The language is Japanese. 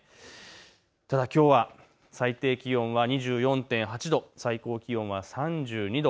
ただきょうは最低気温は２４．８度、最高気温は３２度。